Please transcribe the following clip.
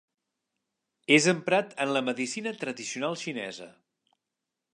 És emprat en la medicina tradicional xinesa.